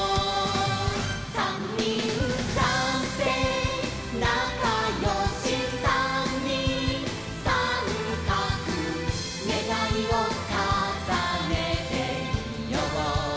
「さんにんさんせいなかよしさんにんさんかく」「ねがいをかさねてみよう」